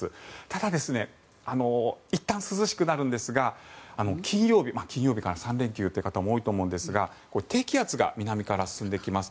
ただいったん涼しくなるんですが金曜日から３連休という方も多いと思うんですが低気圧が南から進んできます。